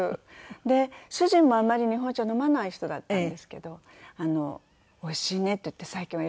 で主人もあんまり日本茶を飲まない人だったんですけどおいしいねって言って最近はよく飲んでくれます。